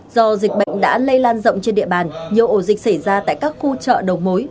do dịch bệnh đã lây lan rộng trên địa bàn nhiều ổ dịch xảy ra tại các khu chợ đầu mối